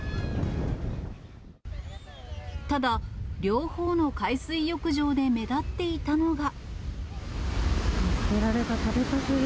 ただ、両方の海水浴場で目立っていたのが。